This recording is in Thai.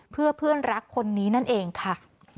เพื่อเพื่อนรักคนนี้นั่นเองค่ะ